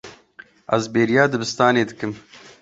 Ez bêriya dibistanê dikim.